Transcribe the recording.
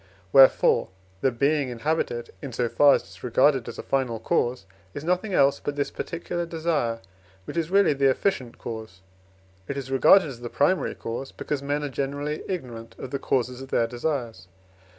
Wherefore, the being inhabited, in so far as it is regarded as a final cause, is nothing else but this particular desire, which is really the efficient cause; it is regarded as the primary cause, because men are generally ignorant of the causes of their desires.